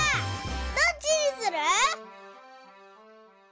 どっちにする？